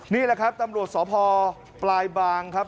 นี่แหละครับตำรวจสพปลายบางครับ